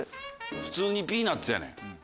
普通にピーナツやねん。